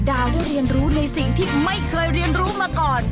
ดาวได้เรียนรู้ในสิ่งที่ไม่เคยเรียนรู้มาก่อน